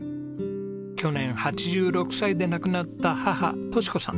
去年８６歳で亡くなった母トシ子さん。